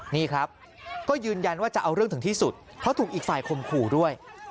นี่ครับก็ยืนยันว่าจะเอาเรื่องถึงที่สุดเพราะถูกอีกฝ่ายคมขู่ด้วย